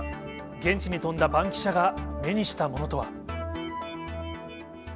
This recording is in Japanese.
現地に飛んだバンキシャが目にしたものとは。